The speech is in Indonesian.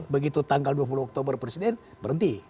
begitu tanggal dua puluh oktober presiden berhenti